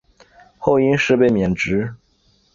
后因事被免职。